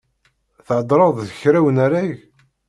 Theddreḍ d kra unarag?